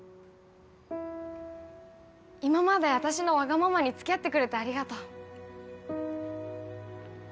今まで私のわがままにつきあってくれてありがとう。